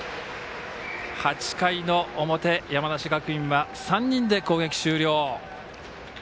８回の表、山梨学院は３人で攻撃終了。